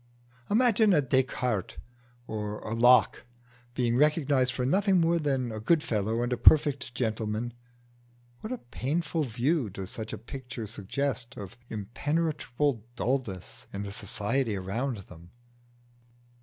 Imagine a Descartes or a Locke being recognised for nothing more than a good fellow and a perfect gentleman what a painful view does such a picture suggest of impenetrable dulness in the society around them!